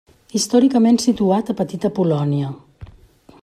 Històricament situat a Petita Polònia.